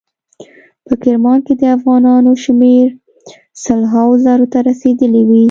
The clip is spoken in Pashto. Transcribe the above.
په کرمان کې د افغانانو شمیر سل هاو زرو ته رسیدلی وي.